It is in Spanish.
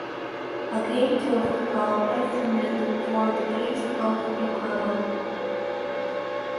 A Game Theoretical Assessment for the case of Ecuador.